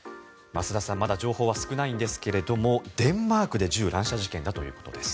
増田さんまだ情報は少ないんですけどもデンマークで銃乱射事件だということです。